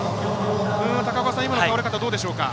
高岡さん、今の倒れ方どうでしょうか？